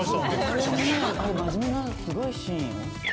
あれ真面目なすごいシーンよ。